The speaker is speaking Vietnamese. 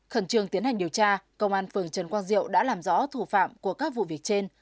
khẩn trương tiến hành điều tra công an phường trần quang diệu đã làm rõ thủ phạm của các vụ việc trên